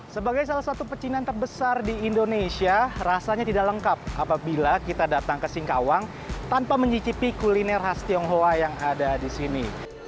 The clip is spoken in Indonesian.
sebagai salah satu pecinan terbesar di indonesia rasanya tidak lengkap apabila kita datang ke singkawang tanpa mencicipi kuliner khas tionghoa yang ada di sini